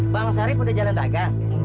bang sari pundek jalan dagang